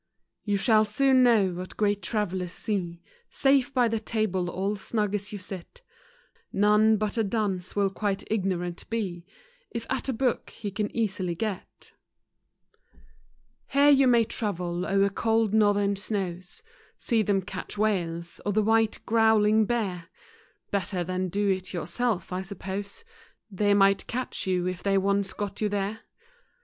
You shall soon know what great travellers see, Safe by the table all snug as you sit; None but a dunce will quite ignorant be, If at a book he can easily get. IV INTRODUCTION. Here you may travel o'er cold northern snow$j See them catch whales, or the white growling bear Better than do it yourselves, I suppose, They might catch you if they once got you there.